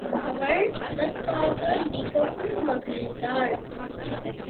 அவள் அதற்காக மிகவும் மகிழ்ந்தாள்.